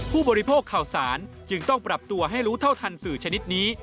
ผู้บริโภคข่าวสารจึงต้องปรับตัวให้รู้เท่าทันสื่อชนิดนี้